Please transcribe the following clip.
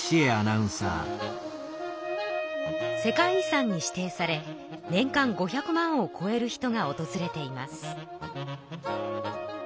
世界遺産に指定され年間５００万をこえる人がおとずれています。